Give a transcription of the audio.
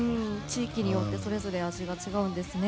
地域によってそれぞれ味が違うんですね。